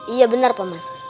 iya benar pak mand